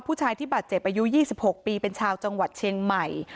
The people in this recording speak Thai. ผู้ชายที่บาดเจ็บอายุ๒๖ปีเป็นชาวจังหวัดเชียงใหม่